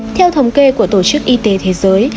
theo thống kê của tổ chức y tế thế giới